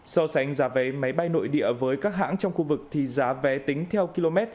so sánh giá vé máy bay nội địa với các hãng trong khu vực thì giá vé tính theo km